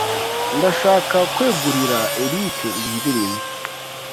Ndashaka kwegurira Eric iyi ndirimbo.